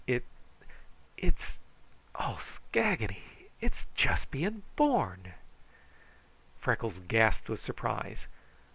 It's it's Oh, skaggany! It's just being born!" Freckles gasped with surprise.